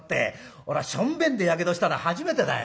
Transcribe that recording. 俺しょんべんでやけどしたの初めてだよ」。